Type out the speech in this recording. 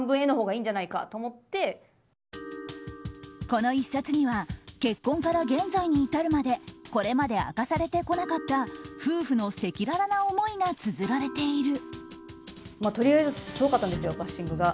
この一冊には結婚から現在に至るまでこれまで明かされてこなかった夫婦の赤裸々な思いがつづられている。